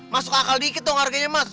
masuk akal dikit dong harganya mas